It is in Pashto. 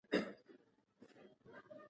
هغه ځانګړې تګلارې کارولې.